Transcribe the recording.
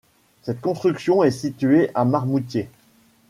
Cette construction est située à Marmoutier.